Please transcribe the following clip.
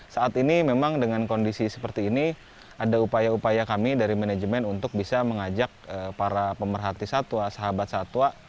saat ini memang dengan kondisi seperti ini ada upaya upaya kami dari manajemen untuk bisa mengajak para pemerhati satwa sahabat satwa